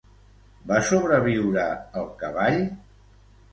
Va sobreviure el cavall?